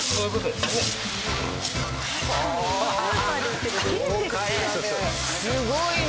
すごいね！